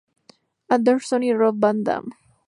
Anderson y Rob Van Dam.